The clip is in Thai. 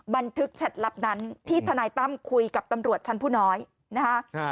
แท็ตลับนั้นที่ทนายตั้มคุยกับตำรวจชั้นผู้น้อยนะคะ